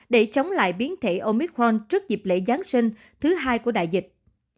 để chống lại biến thể omicron trước dịp lễ giáng sinh thứ hai của đại dịch